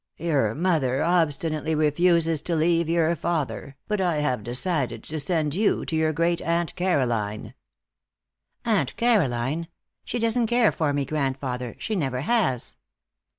Your mother obstinately refuses to leave your father, but I have decided to send you to your grand aunt Caroline." "Aunt Caroline! She doesn't care for me, grandfather. She never has."